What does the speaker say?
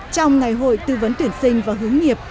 trong ngày hội tư vấn tuyển sinh và hướng nghiệp